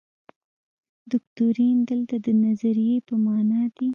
دوکتورین دلته د نظریې په معنا دی.